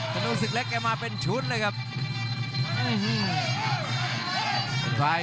ชนุดสุดเล็กกลายมาเป็นชุดเลยครับ